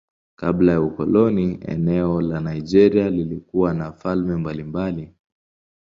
Kabla ya ukoloni eneo la Nigeria lilikuwa na falme mbalimbali.